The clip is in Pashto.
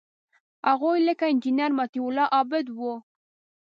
هغوی لکه انجینیر مطیع الله عابد وو.